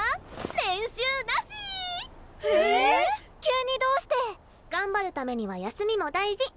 急にどうして⁉頑張るためには休みも大事！